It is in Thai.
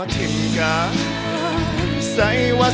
ขอบคุณมาก